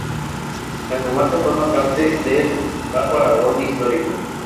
La comarca forma parte del Bajo Aragón Histórico.